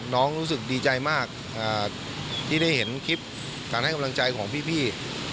รู้สึกดีใจมากที่ได้เห็นคลิปการให้กำลังใจของพี่